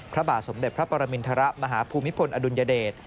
พระบาทสมเด็จพระปรมินทรมาฮภูมิพลอดุลยเดช